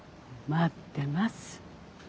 待ってます。